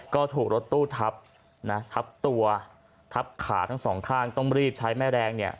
ก็ถูกรถตู้ทับนะทับตัวทับขาทั้งสองข้างต้องรีบใช้แม่แรงเนี่ย